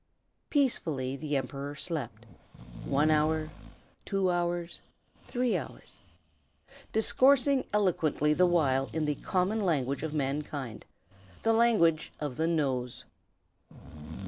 ] Peacefully the Emperor slept, one hour, two hours, three hours, discoursing eloquently the while in the common language of mankind, the language of the nose.